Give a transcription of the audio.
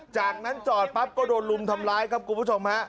จากนั้นจอดปั๊บก็โดนลุมทำร้ายครับคุณผู้ชมฮะ